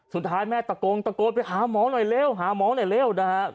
สุดท้ายแม่ตะโกงตะโกนไปหาหมอหน่อยเร็วหาหมอหน่อยเร็วนะฮะ